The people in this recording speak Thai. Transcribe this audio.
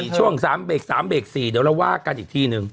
ช่วง๓๔เดี๋ยวเราวากันอีกทีหนึ่ง